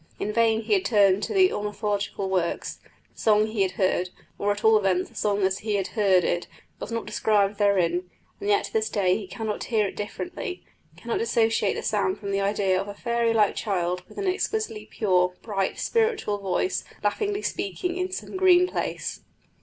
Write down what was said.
In vain he had turned to the ornithological works; the song he had heard, or at all events the song as he had heard it, was not described therein; and yet to this day he cannot hear it differently cannot dissociate the sound from the idea of a fairy like child with an exquisitely pure, bright, spiritual voice laughingly speaking in some green place.